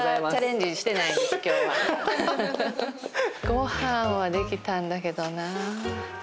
ごはんは出来たんだけどなあ。